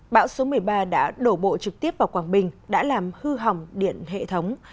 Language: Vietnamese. bão số một mươi ba đã đổ bộ trực tiếp vào quảng bình đã làm hư hỏng điện hệ thống